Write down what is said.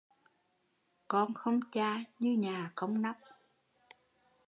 Con không cha như nhà không nóc